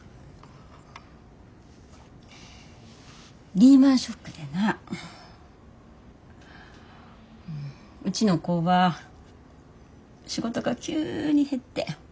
リーマンショックでなうちの工場仕事が急に減って。